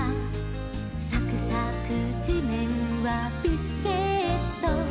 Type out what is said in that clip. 「さくさくじめんはビスケット」